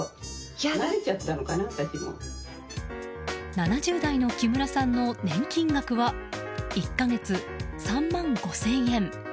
７０代の木村さんの年金額は１か月３万５０００円。